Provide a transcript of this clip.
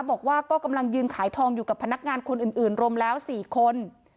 บอกว่าก็กำลังยืนขายทองอยู่กับพนักงานคนอื่นรวมแล้ว๔คน